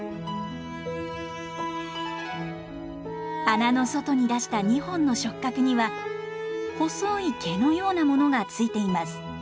穴の外に出した２本の触角には細い毛のようなものが付いています。